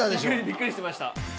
びっくりしてました。